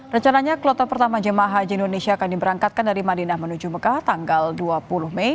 rencananya kloter pertama jemaah haji indonesia akan diberangkatkan dari madinah menuju mekah tanggal dua puluh mei